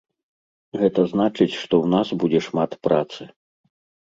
Гэта значыць, што ў нас будзе шмат працы.